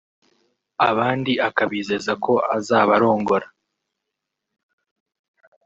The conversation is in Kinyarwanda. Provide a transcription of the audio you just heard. abandi akabizeza ko azabarongora